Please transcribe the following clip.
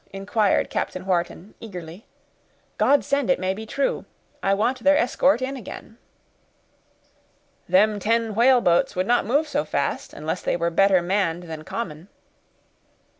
inquired Captain Wharton, eagerly. "God send it may be true; I want their escort in again." "Them ten whaleboats would not move so fast unless they were better manned than common."